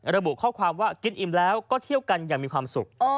ระบุข้อความว่ากินอิ่มแล้วก็เที่ยวกันอย่างมีความสุข